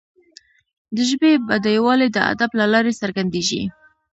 د ژبي بډایوالی د ادب له لارې څرګندیږي.